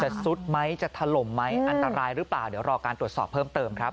ซุดไหมจะถล่มไหมอันตรายหรือเปล่าเดี๋ยวรอการตรวจสอบเพิ่มเติมครับ